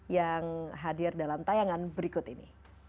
yang hadir dalam tayangan berikut ini